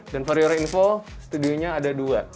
dan for your info studionya ada dua